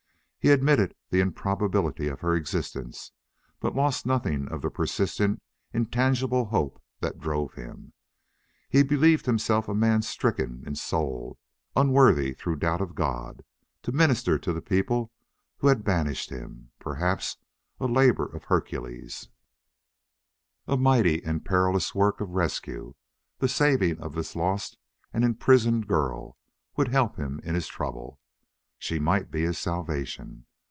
He admitted the improbability of her existence, but lost nothing of the persistent intangible hope that drove him. He believed himself a man stricken in soul, unworthy, through doubt of God, to minister to the people who had banished him. Perhaps a labor of Hercules, a mighty and perilous work of rescue, the saving of this lost and imprisoned girl, would help him in his trouble. She might be his salvation.